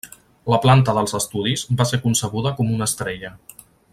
La planta dels estudis va ser concebuda com una estrella.